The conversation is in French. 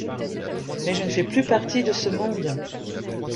Mais je ne fais plus partie de ce monde.